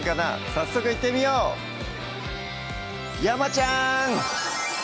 早速いってみよう山ちゃん！